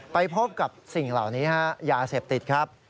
ไปพบกับสิ่งเหล่านี้ฮะยาเสพติดครับ